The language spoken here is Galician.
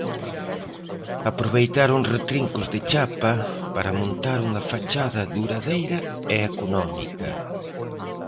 Aproveitaron retrincos de chapa para montar unha fachada duradeira e económica.